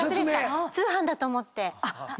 通販だと思って。